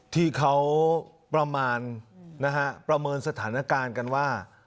ที่เขาประมาณนะฮะประเมินสถานการณ์กันว่า